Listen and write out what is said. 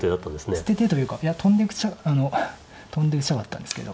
捨ててというかいやトンでトンで打ちたかったんですけど。